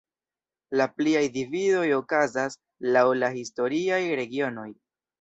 La pliaj dividoj okazas laŭ la historiaj regionoj.